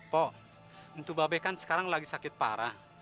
po untuk babek kan sekarang lagi sakit parah